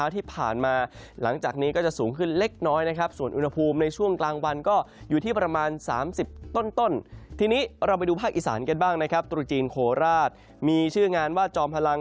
ที่นี้เราไปดูภาคอีสานกันบ้างนะครับตรุจจีนโคราชมีชื่องานวาดจอมพลัง